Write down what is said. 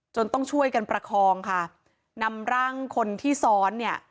ต้องช่วยกันประคองค่ะนำร่างคนที่ซ้อนเนี่ย